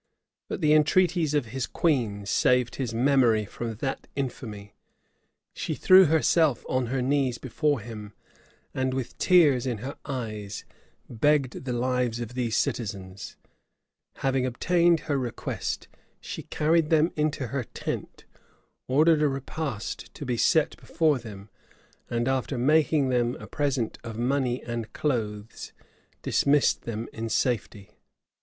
[*] But the entreaties of his queen saved his memory from that infamy: she threw herself on her knees before him, and with tears in her eyes begged the lives of these citizens. Having obtained her request, she carried them into her tent, ordered a repast to be set before them, and, after making them a present of money and clothes, dismissed them in safety.